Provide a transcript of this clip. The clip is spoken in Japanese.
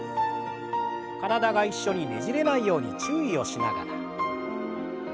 体が一緒にねじれないように注意をしながら。